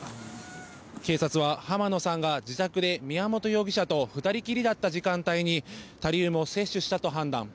警察は、浜野さんが自宅で宮本容疑者と２人きりだった時間帯にタリウムを摂取したと判断。